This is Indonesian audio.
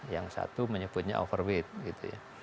yang satu menyebutnya overweight